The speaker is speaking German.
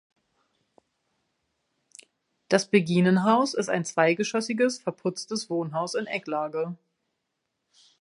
Das Beginenhaus ist ein zweigeschossiges verputztes Wohnhaus in Ecklage.